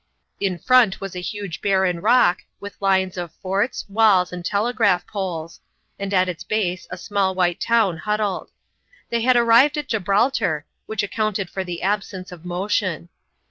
In front was a huge barren rock, with lines of forts, walls, and tele graph poles ; and at its base a small white town huddled. They had arrived at Gibraltar, which accounted for the absence of motion.